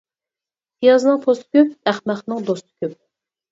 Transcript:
پىيازنىڭ پوستى كۆپ، ئەخمەقنىڭ دوستى كۆپ!